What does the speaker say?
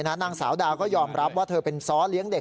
นางสาวดาก็ยอมรับว่าเธอเป็นซ้อเลี้ยงเด็ก